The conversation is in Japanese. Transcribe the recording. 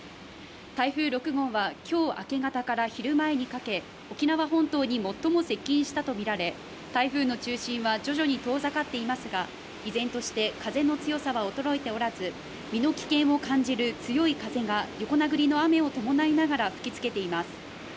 台風６号は今日明け方から昼前にかけ沖縄本島に最も接近したとみられ台風の中心徐々に遠ざかっていますが、依然として風の強さは衰えておらず、身の危険を感じる強い風が横殴りの雨を伴いながら吹きつけています。